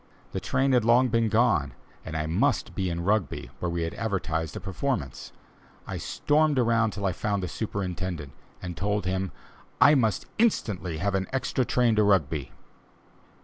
The train had long been gone, and I must be in Rugby, where we had advertised a performance. I stormed around till I found the superintendent, and told him "I must instantly have an extra train to Rugby."